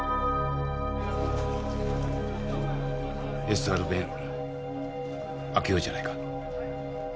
ＳＲ弁開けようじゃないか。